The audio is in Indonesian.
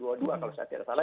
kalau saya tidak salah